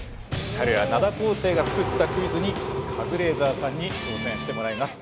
彼ら灘高生が作ったクイズにカズレーザーさんに挑戦してもらいます。